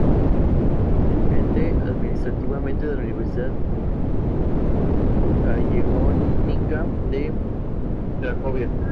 Todas las canciones compuestas por Tom Waits excepto donde se anota.